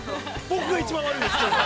僕が一番悪いです。